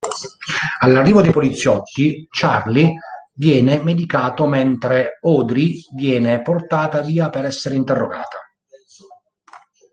All'arrivo dei poliziotti, Charlie viene medicato mentre Audrey viene portata via per essere interrogata.